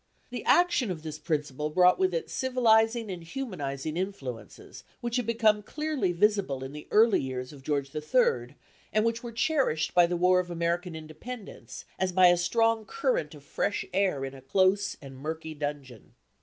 The action of this principle brought with it civilizing and humanizing influences, which had become clearly visible in the early years of George III., and which were cherished by the war of American Independence, as by a strong current of fresh air in a close and murky dungeon.